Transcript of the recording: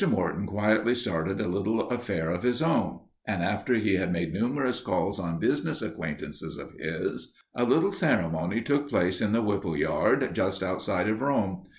Morton quietly started a little affair of his own, and after he had made numerous calls on business acquaintances of his, a little ceremony took place in the Whipple yard, just outside of Rome.